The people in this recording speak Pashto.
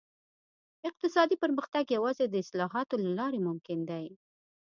اقتصادي پرمختګ یوازې د اصلاحاتو له لارې ممکن دی.